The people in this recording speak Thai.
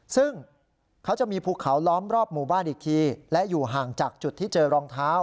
ซึ่งเขาจะมีภูเขาล้อมรอบหมู่บ้านอีกทีและอยู่ห่างจากจุดที่เจอรองเท้า